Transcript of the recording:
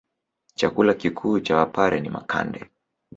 Chakula kikuu cha wpare ni makande